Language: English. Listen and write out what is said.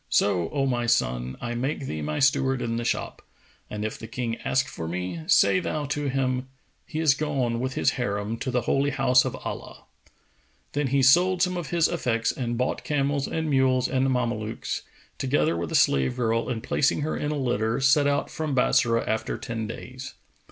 So, O my son, I make thee my steward in the shop, and if the King ask for me, say thou to him, 'He is gone with his Harim to the Holy House of Allah.'"[FN#454] Then he sold some of his effects and bought camels and mules and Mamelukes, together with a slave girl,[FN#455] and placing her in a litter, set out from Bassorah after ten days.